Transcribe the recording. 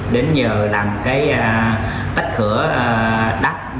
đến giờ làm cái tách thủa đất